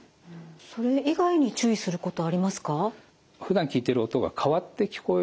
それ以外に注意することありますか？